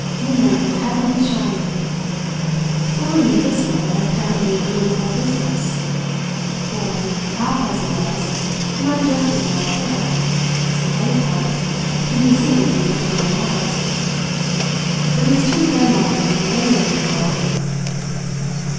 Women had to be shunned. Fooling with this one had apparently ruined the whole business. For, trapped as he was he might just as well kill, since, anyhow, to be seen was to be unmasked. But he was too fair minded to be angry with the girl.